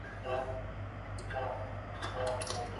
کابینه اقتصادي بندیزونه نه مني.